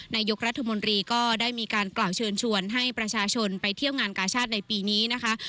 นายกรัฐมนตรีก็ได้มีการกล่าวเชิญชวนให้ประชาชนไปเที่ยวงานกาชาติในปีนี้นะคะ